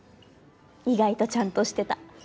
意外とちゃんとしてた。